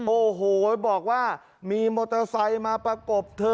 โอ้โหบอกว่ามีมอเตอร์ไซค์มาประกบเธอ